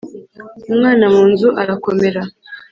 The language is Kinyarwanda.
umwana mu nzu arakomera